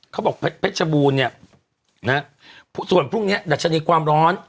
เพชรบูรณ์เนี่ยนะฮะส่วนพรุ่งเนี้ยดัชนีความร้อน